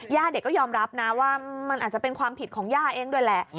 เด็กก็ยอมรับนะว่ามันอาจจะเป็นความผิดของย่าเองด้วยแหละ